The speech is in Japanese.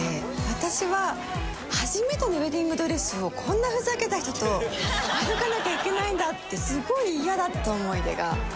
私は初めてのウエディングドレスをこんなふざけた人と歩かなきゃいけないんだってすごいイヤだった思い出が。